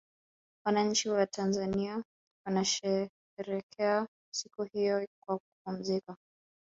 wananchi watanzania wanasherekea siku hiyo kwa kupumzika